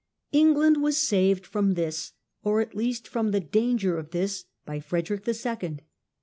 England was saved from this, or at least from the danger of this, by Frederick the Second.